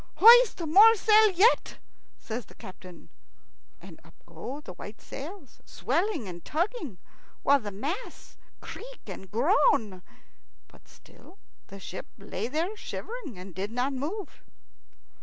"Hoist more sail yet," says the captain; and up go the white sails, swelling and tugging, while the masts creak and groan. But still the ship lay there shivering and did not move.